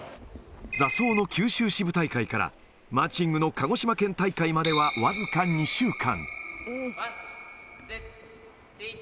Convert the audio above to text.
座奏の九州支部大会から、マーチングの鹿児島県大会までは僅か２週間。